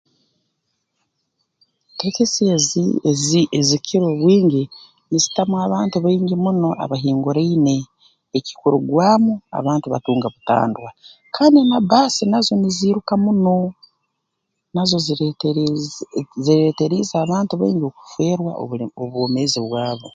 Tekisi ezi ezi ezikukira obwingi nizitamu abantu baingi muno abahinguraine ekikurugwamu abantu batunga butandwa kandi na bbaasi nazo niziiruka muno nazo zireeteriiz zireeteriize abantu baingi okufeerwa obule obwomeezi bwabo